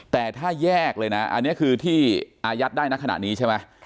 แต่ถ้าแยกเลยนะอันนี้คือที่อายัดได้ในขณะนี้ใช่ไหม